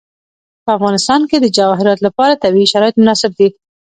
په افغانستان کې د جواهرات لپاره طبیعي شرایط مناسب دي.